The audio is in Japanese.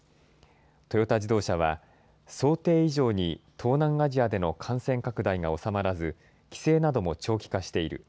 トヨタ自動車は、想定以上に東南アジアでの感染拡大が収まらず、規制なども長期化している。